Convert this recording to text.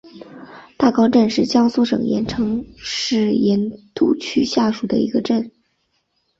大冈镇是江苏省盐城市盐都区下属的一个镇。